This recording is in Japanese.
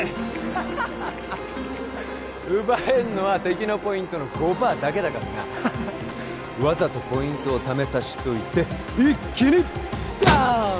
ハハハハ奪えんのは敵のポイントの５パーだけだからなわざとポイントを貯めさしといて一気にドーンだ